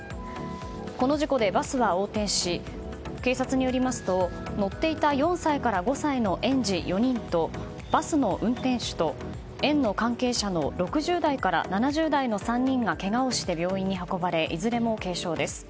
この事故でバスは横転し警察によりますと乗っていた４歳から５歳の園児４人とバスの運転手と、園の関係者の６０代から７０代の３人がけがをして病院に運ばれいずれも軽傷です。